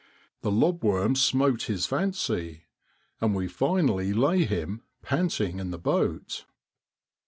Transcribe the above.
The lob worm smote his fancy. And we finally lay him panting in the boat.